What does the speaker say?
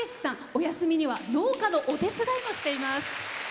お休みには農家のお手伝いもしています。